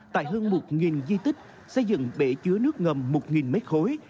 tại hơn một di tích xây dựng bể chứa nước ngầm một mét khối